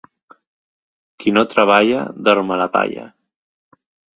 Qui no treballa dorm a la palla.